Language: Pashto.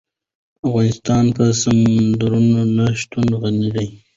افغانستان په سمندر نه شتون غني دی.